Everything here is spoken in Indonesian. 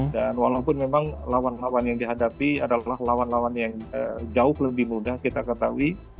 dan walaupun memang lawan lawan yang dihadapi adalah lawan lawan yang jauh lebih mudah kita ketahui